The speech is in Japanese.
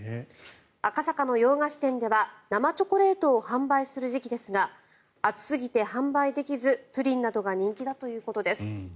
赤坂の洋菓子店では生チョコレートを販売する時期ですが暑すぎて販売できずプリンなどが人気だということです。